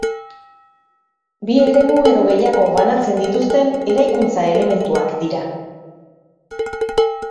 Bi eremu edo gehiago banatzen dituzten eraikuntza-elementuak dira.